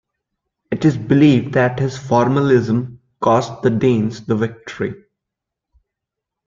It is believed that his formalism cost the Danes the victory.